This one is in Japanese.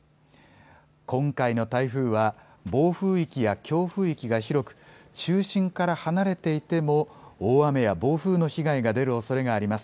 今回の台風は暴風域や強風域が広く中心から離れていても大雨や暴風の被害が出るおそれがあります。